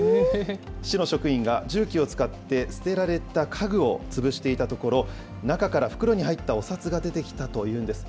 市の職員が重機を使って、捨てられた家具を潰していたところ、中から袋に入ったお札が出てきたというんです。